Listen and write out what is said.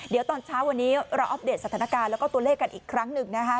เดี๋ยวตอนเช้าวันนี้เราอัปเดตสถานการณ์แล้วก็ตัวเลขกันอีกครั้งหนึ่งนะคะ